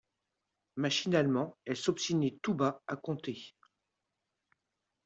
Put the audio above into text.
Machinalement, elle s’obstinait tout bas à compter :